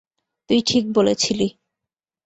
তুই ঠিক বলেছিলি।